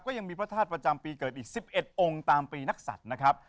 ก็ยังมีพระธาตุประจำปีเกิดอีก๑๑องค์ตามปีนักศัตริย์นะครับ